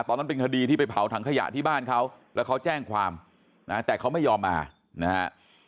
ตอนนั้นเป็นคดีที่ไปเผาถังขยะที่บ้านเขาแล้วเขาแจ้งความนะแต่เขาไม่ยอมมานะฮะ